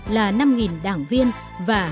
là năm đảng viên và hai mươi triệu người dân